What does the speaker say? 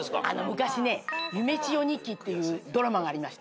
昔ね『夢千代日記』っていうドラマがありましてね。